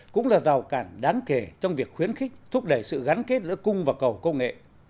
cũng là rào cản đáng kể trong việc khuyến khích thúc đẩy sự gắn kết giữa cung và cầu công nghệ